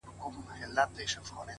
د ډېرو ښکلو د ښاېست ثنا دې وي صابره